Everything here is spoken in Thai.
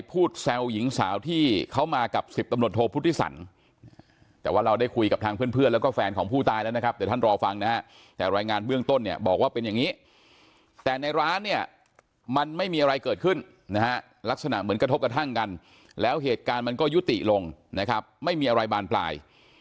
ผู้ตายแล้วนะครับเดี๋ยวท่านรอฟังนะฮะแต่รายงานเบื้องต้นเนี่ยบอกว่าเป็นอย่างนี้แต่ในร้านเนี่ยมันไม่มีอะไรเกิดขึ้นนะฮะลักษณะเหมือนกระทบกระทั่งกันแล้วเหตุการณ์มันก็ยุติลงนะครับไม่มีอะไรบานปลาย